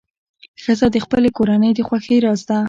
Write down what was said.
ښځه د خپلې کورنۍ د خوښۍ راز ده.